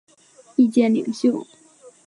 意见领袖。